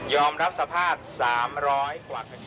ยอมรับสภาพ๓๐๐กว่า